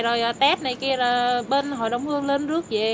rồi test này kia là bên hội đồng hương lên rước về